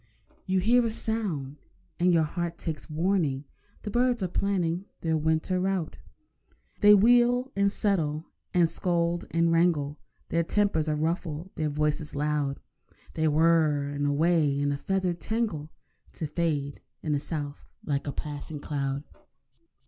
You hear a sound, and your heart takes warning— The birds are planning their winter route. They wheel and settle and scold and wrangle, Their tempers are ruffled, their voices loud; Then whirr—and away in a feathered tangle, To fade in the south like a passing cloud.